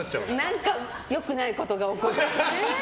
何か良くないことが起こる。